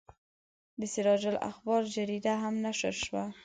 د سراج الاخبار جریده هم نشر شوه.